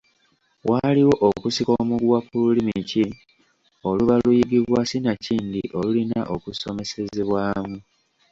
Waaliwo okusika omuguwa ku lulimi ki oluba luyigibwa sinakindi olulina okusomesezebwamu.